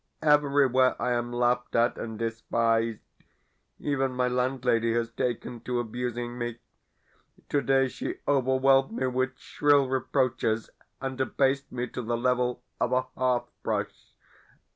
Everywhere I am laughed at and despised. Even my landlady has taken to abusing me. Today she overwhelmed me with shrill reproaches, and abased me to the level of a hearth brush.